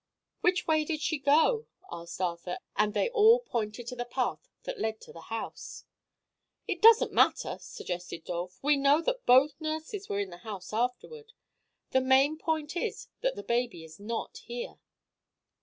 "Which way did she go?" asked Arthur, and they all pointed to the path that led to the house. "It doesn't matter," suggested Dolph. "We know that both the nurses were in the house afterward. The main point is that the baby is not here."